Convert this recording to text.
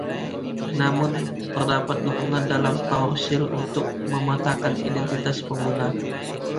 Namun, terdapat dukungan dalam PowerShell untuk memetakan identitas pengguna.